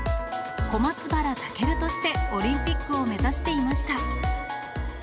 小松原尊としてオリンピックを目指していました。